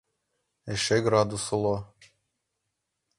Эше градус уло.